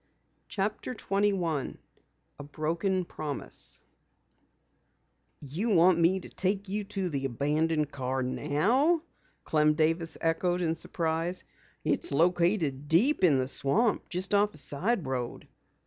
CHAPTER 21 A BROKEN PROMISE "You want me to take you to the abandoned car now?" Clem Davis echoed in surprise. "It's located deep in the swamp, just off a side road."